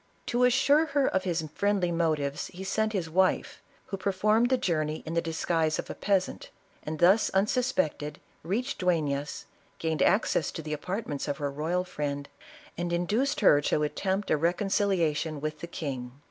To assure her of his friendly motives, he sent his wife, who performed the journey in the disguise of a peasant, and, thus unsuspected, reached Duefias, gained access to tlio apartments of her royal friend, and induced her to at tempt a reconciliation with the king.